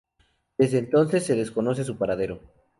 Desde entonces se desconoce su paradero.